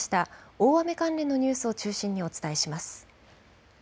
大雨関連のニュースを中心にお伝えします。